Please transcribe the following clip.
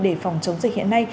để phòng chống dịch hiện nay